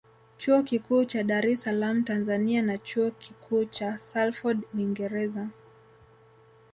Chuo Kikuu cha DaresSalaam Tanzania na Chuo Kikuucha Salford uingereza